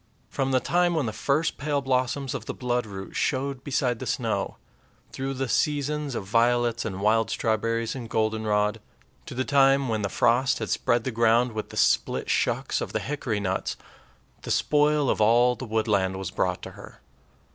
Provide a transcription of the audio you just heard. From the time when the first pale blossoms of the bloodroot showed beside the snow, through the seasons of violets and wild strawberries and goldenrod, to the time when the frost had spread the ground with the split shucks of the hickory nuts, the spoil of all the woodland was brought to her.